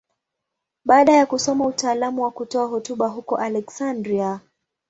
Baada ya kusoma utaalamu wa kutoa hotuba huko Aleksandria.